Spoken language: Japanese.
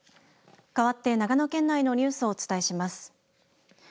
かわって長野県内のニュースをお伝えします。